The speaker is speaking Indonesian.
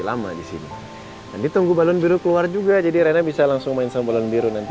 lama di sini nanti tunggu balon biru keluar juga jadi rena bisa langsung main sama balon biru nanti